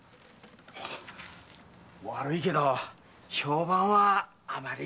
悪いけど評判はあまり。